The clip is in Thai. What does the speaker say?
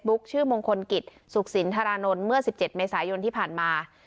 ชื่อมงคลกิจสุขสินธารานนท์เมื่อ๑๗เมษายนที่ผ่านมา